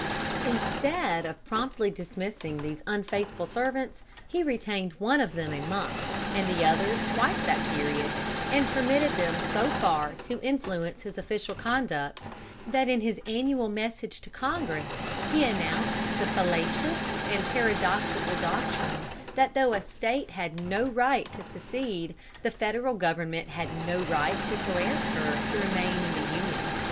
Instead of promptly dismissing these unfaithful servants, he retained one of them a month, and the others twice that period, and permitted them so far to influence his official conduct, that in his annual message to Congress he announced the fallacious and paradoxical doctrine that though a State had no right to secede, the Federal government had no right to coerce her to remain in the Union.